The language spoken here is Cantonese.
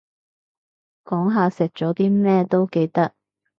講下食咗啲咩都得